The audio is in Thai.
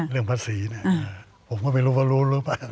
เรื่องภาษีเนี่ยผมก็ไม่รู้ว่ารู้